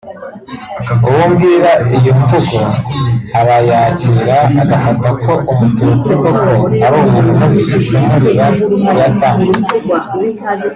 uwo ubwira iyo mvugo arayakira agafata ko umututsi koko ari umuntu mubi isomo riba ryatambutse